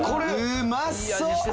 うまそう！